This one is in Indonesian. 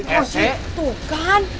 wah di situ kan